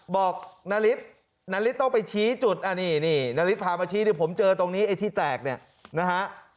บอกนฤทธิ์นฤทธิ์ต้องไปชี้จุดนี่นฤทธิ์พามาชี้ผมเจอตรงนี้ไอ้ที่แตกเนี่ย